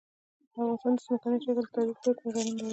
افغانستان د ځمکنی شکل د ترویج لپاره پروګرامونه لري.